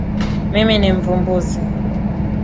Mimi ni mvumbuzi.